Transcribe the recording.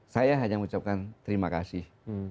saya hanya mengucapkan terima kasih